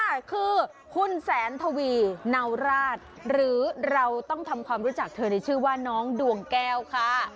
ค่ะคือคุณแสนทวีเนาราชหรือเราต้องทำความรู้จักเธอในชื่อว่าน้องดวงแก้วค่ะ